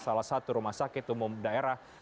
salah satu rumah sakit umum daerah